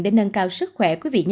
để nâng cao sức khỏe của quý vị nhé